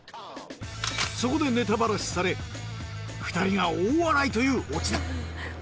そこでネタバラシされ２人が大笑いというオチだ！